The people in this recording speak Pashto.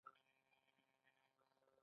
دا توافق په خپل ذات کې عقلایي دی.